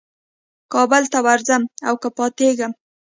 کابل ته ورځم او که پاتېږم.